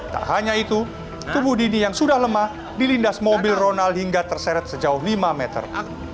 tak hanya itu tubuh dini yang sudah lemah dilindas mobil ronald hingga terseret sejauh lima meter